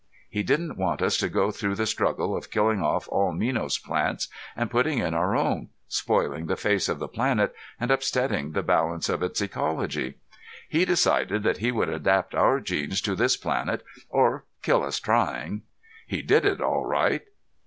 He didn't want us to go through the struggle of killing off all Minos plants and putting in our own, spoiling the face of the planet and upsetting the balance of its ecology. He decided that he would adapt our genes to this planet or kill us trying. He did it all right.'"